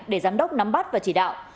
để giám đốc nắm bắt và chỉ đạo